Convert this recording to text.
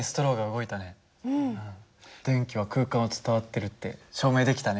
電気は空間を伝わってるって証明できたね。